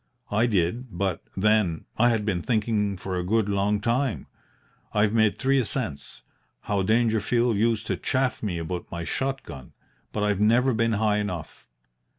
I did but, then, I had been thinking for a good long time. I've made three ascents how Dangerfield used to chaff me about my shot gun! but I've never been high enough.